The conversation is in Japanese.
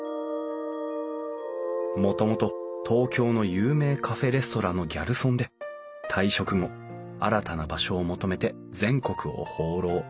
もともと東京の有名カフェレストランのギャルソンで退職後新たな場所を求めて全国を放浪。